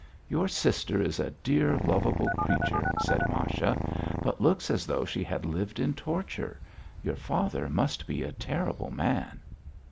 "Your sister is a dear, lovable creature," said Masha, "but looks as though she had lived in torture. Your father must be a terrible man."